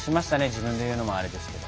自分で言うのもあれですけど。